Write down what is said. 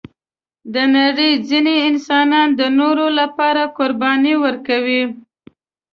د نړۍ ځینې انسانان د نورو لپاره قرباني ورکوي.